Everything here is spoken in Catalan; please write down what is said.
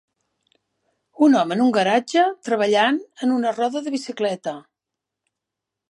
Un home en un garatge treballant en una roda de bicicleta